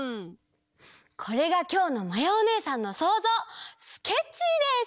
これがきょうのまやおねえさんのそうぞうスケッチーです！